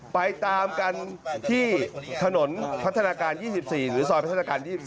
ไปตามกันที่ถนนพัฒนาการ๒๔หรือซอยพัฒนาการ๒๔